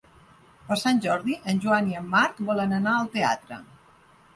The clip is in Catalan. Per Sant Jordi en Joan i en Marc volen anar al teatre.